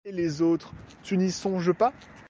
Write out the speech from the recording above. Et les autres, tu n'y songes pas?